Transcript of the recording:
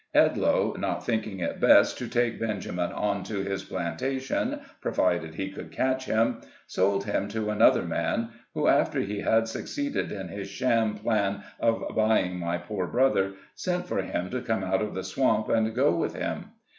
Edloe, not thinking it best to take Benjamin on to his plantation (provided he could catch him), sold him to another man, who, after he had suc ceeded in his sham plan of buying my poor brother, sent for him to come out of the swamp and go with him.